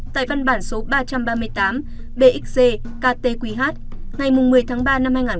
tại văn bản số ba trăm ba mươi tám bxg ktqh ngày một mươi ba hai nghìn hai mươi